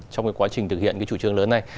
trong quá trình thực hiện chủ trương lớn này